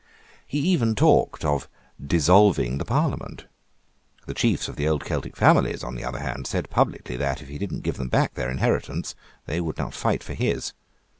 He even talked of dissolving the parliament. The chiefs of the old Celtic families, on the other hand, said publicly that, if he did not give them back their inheritance, they would not fight for his.